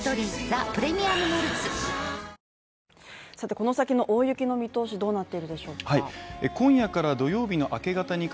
この先の大雪の見通し、どうなってるでしょうか。